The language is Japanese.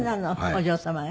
お嬢様が？